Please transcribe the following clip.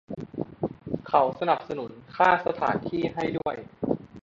เขาสนับสนุนค่าสถานที่ให้ด้วย